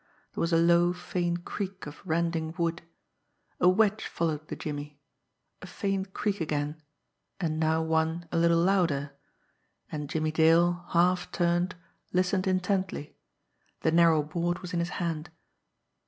There was a low, faint creak of rending wood. A wedge followed the jimmy. A faint creak again and now one a little louder and Jimmie Dale, half turned, listened intently the narrow board was in his hand.